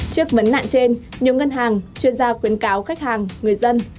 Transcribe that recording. trước vấn nạn trên nhiều ngân hàng chuyên gia khuyến cáo khách hàng người dân